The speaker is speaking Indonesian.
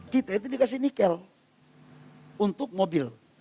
kita itu dikasih nikel untuk mobil